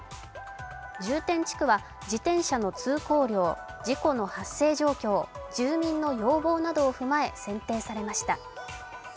重点地区は、自転車の通行量、事故の発生状況、住民の要望などを踏まえ選定されました。